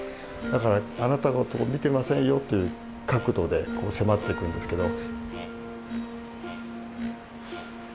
だからあなたのこと見てませんよという角度で迫っていくんですけど。